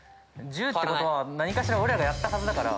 １０ってことは何かしら俺らがやったはずだから。